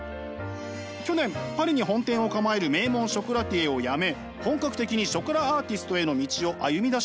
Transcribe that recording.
去年パリに本店を構える名門ショコラティエを辞め本格的にショコラアーティストへの道を歩みだしました。